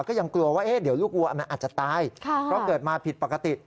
ก็ยังกลัวว่าเดี๋ยวลูกวัวมันอาจจะตายเพราะเกิดมาผิดปกติ